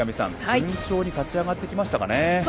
順調に勝ち上がってきましたかね。